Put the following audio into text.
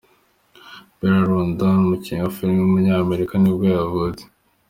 Billy Aaron Brown, umukinnyi wa film w’umunyamerika nibwo yavutse.